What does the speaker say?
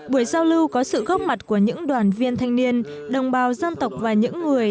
buổi giao lưu có sự góp mặt của những đoàn viên thanh niên đồng bào dân tộc và những người